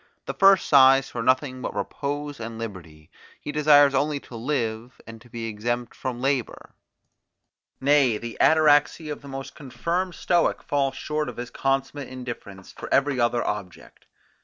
The first sighs for nothing but repose and liberty; he desires only to live, and to be exempt from labour; nay, the ataraxy of the most confirmed Stoic falls short of his consummate indifference for every other object.